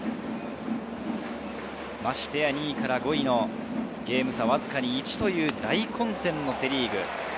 ましてや２位から５位のゲーム差はわずかに１という大混戦のセ・リーグ。